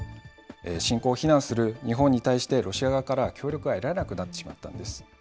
侵攻を非難する日本に対して、ロシア側からは協力は得られなくなってしまったんです。